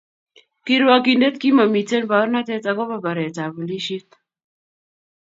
kirwakindet kimamiten baornatet ako ba baret ab polishit